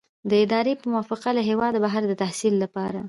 د ادارې په موافقه له هیواده بهر د تحصیل لپاره.